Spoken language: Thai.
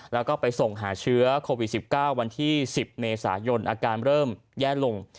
แล้วก็ไปส่งหาเชื้อโควิด๑๙วันที่๑๐เมษายนอาการเริ่มแย่ลง